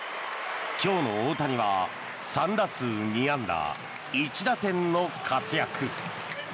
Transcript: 今日の大谷は３打数２安打１打点の活躍。